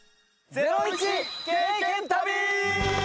ゼロイチ経験旅！